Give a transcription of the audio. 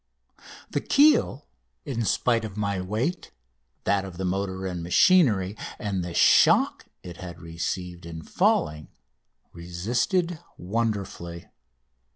The keel, in spite of my weight, that of the motor and machinery, and the shock it had received in falling, resisted wonderfully.